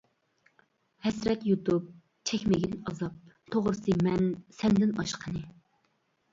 ھەسرەت يۇتۇپ، چەكمىگىن ئازاب، توغرىسى مەن سەندىن ئاشقىنى.